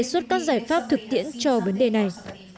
đề xuất các giải pháp thực tiễn cho vấn đề này